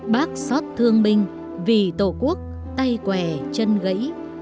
bác xót thương binh vì tổ quốc tay quẻ chân gãy